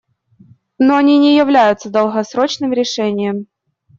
Но они не являются долгосрочным решением.